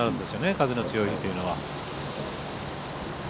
風の強い日というのが。